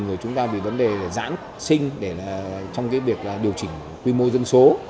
rồi chúng ta vì vấn đề giãn sinh để trong cái việc điều chỉnh quy mô dân số